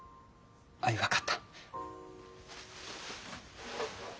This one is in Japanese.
あい分かった。